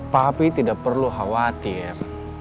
papi tidak perlu khawatir